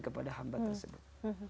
kepada hamba tersebut